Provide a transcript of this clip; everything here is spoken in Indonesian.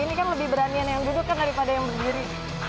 ini kan lebih beranian yang duduk kan daripada yang berdiri